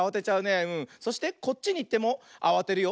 そしてこっちにいってもあわてるよ。